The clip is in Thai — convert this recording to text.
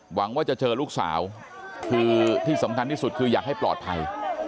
หวังว่าจะเจอลูกสาวคือที่สำคัญที่สุดคืออยากให้ปลอดภัย